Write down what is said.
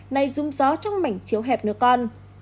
nay rung gió trong mảnh chiếu hẹp nữa con